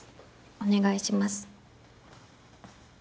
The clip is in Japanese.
お願いします。